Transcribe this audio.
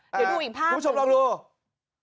เดี๋ยวดูอีกภาพคุณผู้ชมลองดู